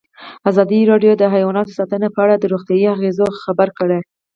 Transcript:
ازادي راډیو د حیوان ساتنه په اړه د روغتیایي اغېزو خبره کړې.